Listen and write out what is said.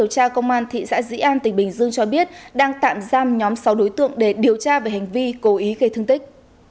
điều tra công an thị xã dĩ an tỉnh bình dương cho biết đang tạm giam nhóm sáu đối tượng để điều tra về hành vi cố ý gây thương tích